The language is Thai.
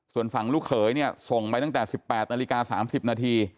ส่วนฝั่งลูกเขยส่งไปตั้งแต่๑๘น๓๐น